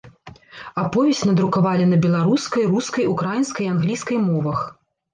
Аповесць надрукавалі на беларускай, рускай, украінскай і англійскай мовах.